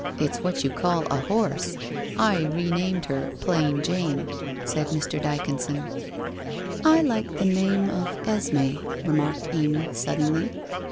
It's what you call a horse. I re named her plain Jane/ said Mr. Dyconson. ' I like the name of Esme/ remarked Amy, suddenly.